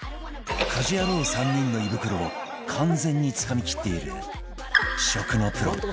家事ヤロウ３人の胃袋を完全につかみきっている食のプロ